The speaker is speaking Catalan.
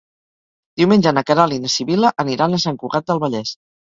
Diumenge na Queralt i na Sibil·la aniran a Sant Cugat del Vallès.